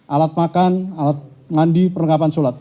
alat makan alat mandi perlengkapan sholat